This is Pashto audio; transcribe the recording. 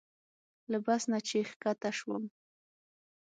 له بس نه چې ښکته شوم.